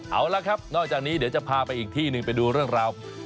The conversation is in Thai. เอาละครับนอกจากนี้เดี๋ยวจะพาไปอีกที่หนึ่งไปดูเรื่องราว